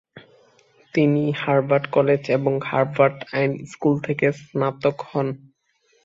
তিনি Harvard college এবং Harvard আইন স্কুল থেকে স্নাতক হন।